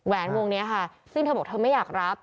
วงนี้ค่ะซึ่งเธอบอกเธอไม่อยากรับ